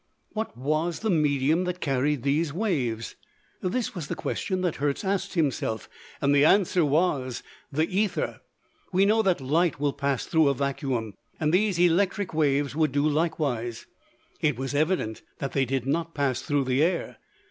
What was the medium that carried these waves? This was the question that Hertz asked himself, and the answer was, the ether. We know that light will pass through a vacuum, and these electric waves would do likewise. It was evident that they did not pass through the air.